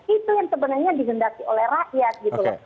itu yang sebenarnya dihendaki oleh rakyat gitu loh